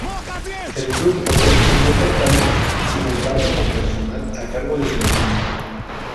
El Club Hotel siguió contando sin embargo con personal a cargo de su mantenimiento.